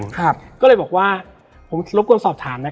และวันนี้แขกรับเชิญที่จะมาเชิญที่เรา